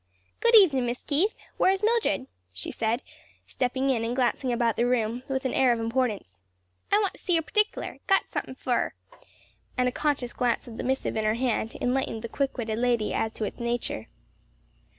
"Good evenin' Mis' Keith. Where's Mildred?" she said, stepping in and glancing about the room with an air of importance, "I want to see her pertickler; got somethin' fur her," and a conscious glance at the missive in her hand enlightened the quick witted lady as to its nature.